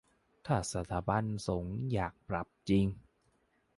ถ้าสถาบันสงฆ์อยากปรับจริง